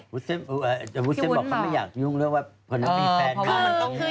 แต่วุ้นเส้นบอกว่าเขาไม่อยากยุ่งเรื่องว่าคนนั้นมีแฟนใหม่